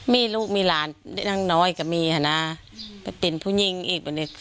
ทีนี้ให้จับได้เวรเวร